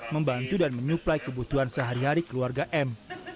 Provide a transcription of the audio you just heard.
membantu dan menyuplai kebutuhan sehari hari keluarga m